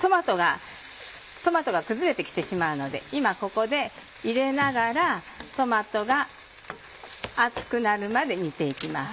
トマトが崩れて来てしまうので今ここで入れながらトマトが熱くなるまで煮て行きます。